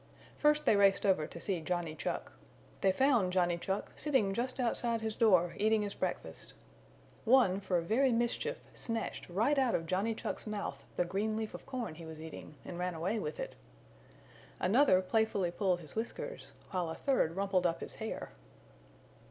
First they raced over to see Johnny Chuck. They found Johnny Chuck sitting just outside his door eating his breakfast. One, for very mischief, snatched right out of Johnny Chuck's mouth the green leaf of corn he was eating, and ran away with it. Another playfully pulled his whiskers, while a third rumpled up his hair.